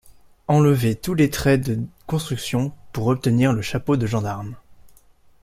Enlever tous les traits de construction, pour obtenir le chapeau de gendarme.